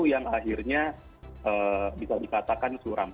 yang akhirnya bisa dikatakan suram